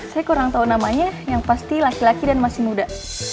saya kurang tahu namanya yang pasti laki laki dan masih muda